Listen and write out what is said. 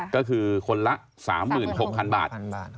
ก็คือคนละ๓๖๐๐๐บาท